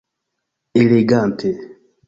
Elegante!